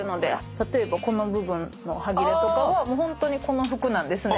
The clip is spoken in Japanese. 例えばこの部分の端切れとかはホントにこの服なんですね。